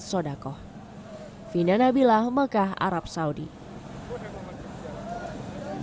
sebelihan di tempat ini bisa diperuntukkan akikah fidiyah dan sodako